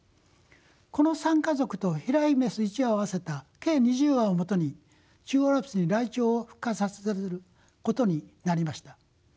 この３家族と飛来雌１羽を合わせた計２０羽をもとに中央アルプスにライチョウを復活させることになりました。